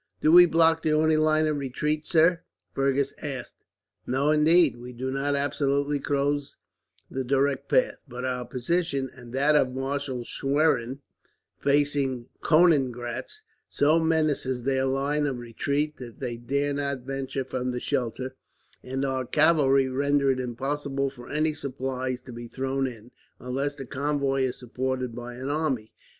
"Do we block the only line of retreat, sir?" Fergus asked. "No, indeed. We do not absolutely close the direct road, but our position, and that of Marshal Schwerin facing Koeniggraetz, so menaces their line of retreat that they dare not venture from their shelter; and our cavalry render it impossible for any supplies to be thrown in, unless the convoy is supported by an army.